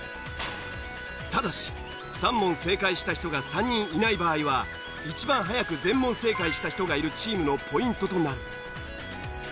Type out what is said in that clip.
ただし３問正解した人が３人いない場合は一番早く全問正解した人がいるチームのポイントとなる。